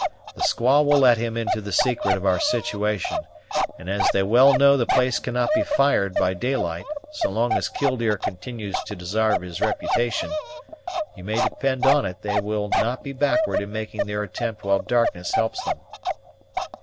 The squaw will let him into the secret of our situation; and, as they well know the place cannot be fired by daylight, so long as Killdeer continues to desarve his reputation, you may depend on it that they will not be backward in making their attempt while darkness helps them."